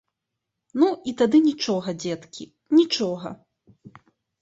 Ну і тады нічога, дзеткі, нічога!